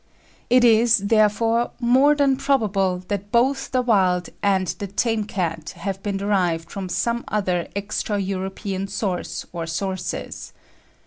It is, therefore, more than probable that both the wild and the tame cat have been derived from some other extra European source or sources.